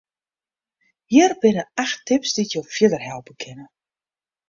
Hjir binne acht tips dy't jo fierder helpe kinne.